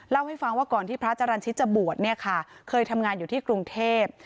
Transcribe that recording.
เล่าให้ฟังว่าก่อนที่พระจรรย์ชิตจะบวชเนี่ยค่ะเคยทำงานอยู่ที่กรุงเทพ